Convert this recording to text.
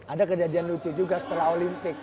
ada kejadian lucu juga setelah olimpik